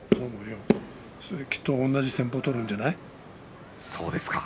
きっと昨日と同じ戦法を取るんじゃない？